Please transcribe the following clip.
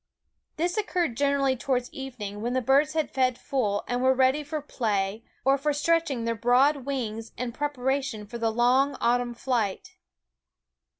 This occurred generally towards evening, when the birds had fed full and were ready for play or for stretch ing their broad wings in preparation for the long autumn flight.